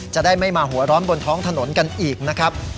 จะได้ไม่มาหัวร้อนบนท้องถนนกันอีกนะครับ